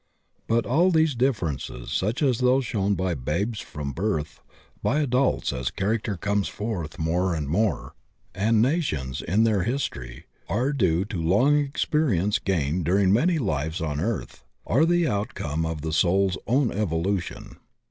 But all Uiese differences, such as those shown by babes from birth, by adults as character comes forth more and more, and by nations in their history, are due to long experience gained during many hves on earth, are the outcome of the soul's own evolution.